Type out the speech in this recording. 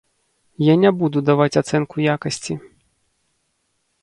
Я не буду даваць ацэнку якасці.